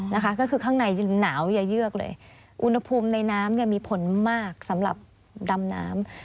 นะคะก็คือข้างในหนาวอย่าเยือกเลยอุณหภูมิในน้ำเนี่ยมีผลมากสำหรับดำน้ำ